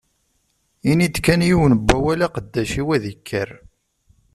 Ini-d kan yiwen n wawal, aqeddac-iw ad ikker.